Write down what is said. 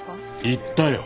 言ったよ。